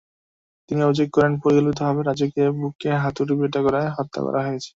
তিনি অভিযোগ করেন, পরিকল্পিতভাবে রাজুকে বুকে হাতুড়িপেটা করে হত্যা করা হয়েছে।